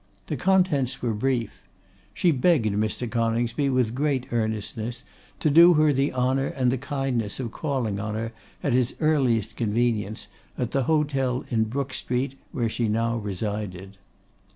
The contents were brief. She begged Mr. Coningsby, with great earnestness, to do her the honour and the kindness of calling on her at his earliest convenience, at the hotel in Brook Street where she now resided.